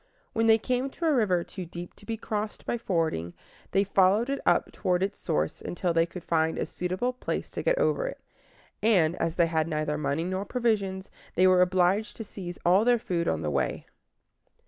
When they came to a river too deep to be crossed by fording, they followed it up toward its source until they could find a suitable place to get over it; and, as they had neither money nor provisions, they were obliged to seize all their food on the way.